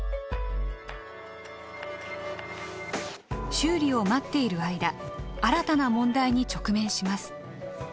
修理を待っている間新たな問題に直面します。